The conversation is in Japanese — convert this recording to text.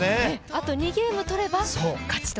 あと２ゲーム取れば勝ちと。